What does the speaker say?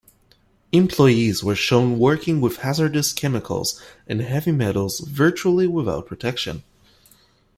Employees were shown working with hazardous chemicals and heavy metals virtually without protection.